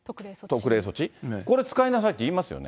特例措置、これ使いなさいって言いますよね。